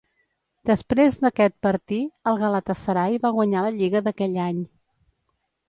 Després d'aquest partir el Galatasaray va guanyar la lliga d'aquell any.